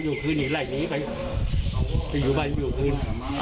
อยู่บ้านอยู่พื้น